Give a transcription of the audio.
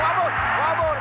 フォアボール。